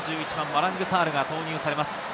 ３１番マラング・サールが投入されます。